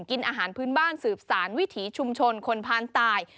กินอาหารพื้นบ้านสืบสารวิถีชุมชนคนพานตาย